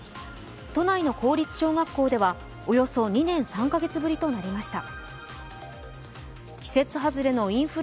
都内の公立小学校ではおよそ２年３カ月ぶりとなりました。